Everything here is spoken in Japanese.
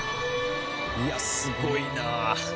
いやすごいな。